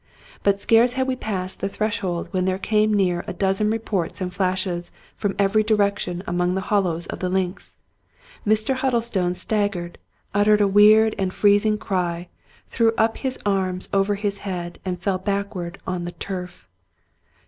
But scarce had we passed the threshold when there came near a dozen reports and flashes from every direction among the hollows of the links. Mr. Huddlestone staggered, uttered a weird and freezing cry, threw up his arms over his head, and fell backward on the turf.